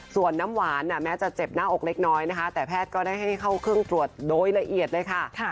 ส่วนน้ำหวานแม้จะเจ็บหน้าอกเล็กน้อยนะคะแต่แพทย์ก็ได้ให้เข้าเครื่องตรวจโดยละเอียดเลยค่ะ